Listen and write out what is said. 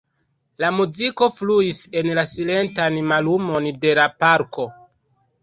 La muziko fluis en la silentan mallumon de la parko.